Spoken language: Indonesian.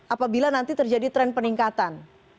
apabila nanti terjadi tren peningkatan